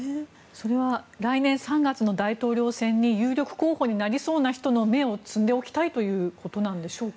それは来年３月の大統領選に有力候補になりそうな人の芽を摘んでおきたいということでしょうか。